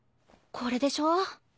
これでしょ。